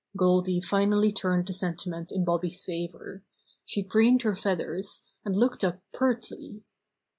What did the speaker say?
Goldy finally turned the sentiment in Bobby's favor. She preened her feathers, and looked up pertly.